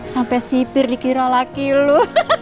sampai sipir dikira laki lu